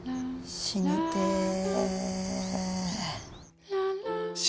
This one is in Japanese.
死にてえ。